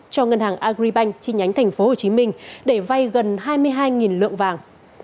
cho ngân hàng agribank chi nhánh tp hcm để vay gần hai mươi hai lượng vàng